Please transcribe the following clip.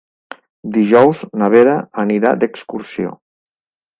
Dijous na Vera anirà d'excursió.